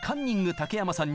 竹山さん！